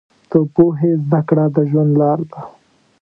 د پوهې زده کړه د ژوند لار ده.